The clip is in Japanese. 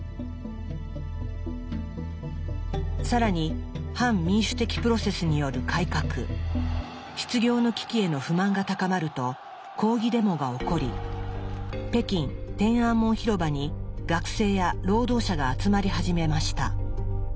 更に反民主的プロセスによる改革失業の危機への不満が高まると抗議デモが起こり北京・天安門広場に学生や労働者が集まり始めました。